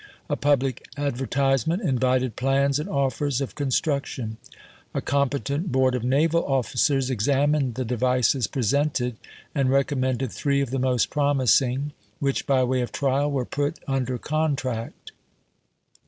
A pub lic advertisement invited plans and offers of con struction. A competent board of naval officers examined the devices presented, and recommended three of the most promising, which by way of trial were put under contract.